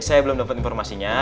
saya belum dapat informasinya